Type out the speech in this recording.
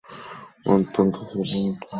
অন্তত তার চেহারাটা তো দেখার মতো।